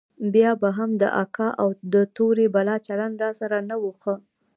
بيا به هم د اکا او د تورې بلا چلند راسره نه و ښه.